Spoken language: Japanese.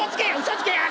嘘つけや！？